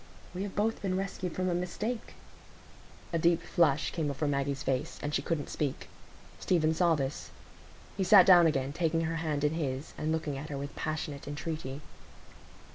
We have both been rescued from a mistake." A deep flush came over Maggie's face, and she couldn't speak. Stephen saw this. He sat down again, taking her hand in his, and looking at her with passionate entreaty.